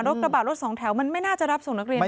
กระบาดรถสองแถวมันไม่น่าจะรับส่งนักเรียนได้